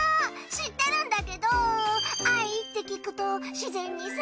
知ってるんだけどアイって聞くと自然にさ